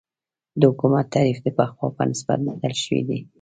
د حکومت تعریف د پخوا په نسبت بدل شوی دی.